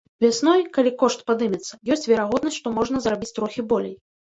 Вясной, калі кошт падымецца, ёсць верагоднасць, што можна зарабіць трохі болей.